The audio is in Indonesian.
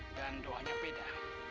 dan doanya beda